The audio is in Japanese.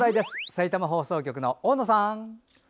さいたま放送局の大野さん。